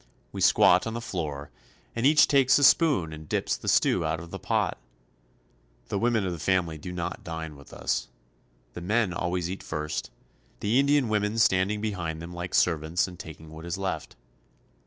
We squat on the floor, and each takes a spoon and dips the stew out of the pot. The women of the family do not dine with us. The men always eat first, the Indian women standing behind them like servants and taking what is left.